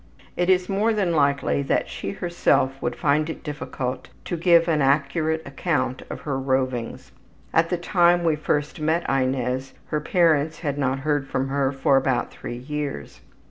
It is more than likely that she herself would find it difficult to give any accurate account of her rovings. At the time we first saw Inez her parents had not heard from her for about three years.